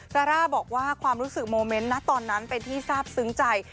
ซาร่าบอกว่าความรู้สึกโมเมนต์นะตอนนั้นเป็นที่ทราบซึ้งใจ